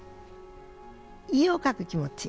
いを書く気持ち。